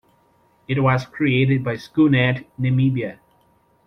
It was created by SchoolNet Namibia.